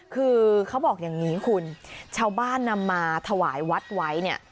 คือเขาบอกอย่างนี้คุณชาวบ้านนำมาถวายวัดไว้เนี่ย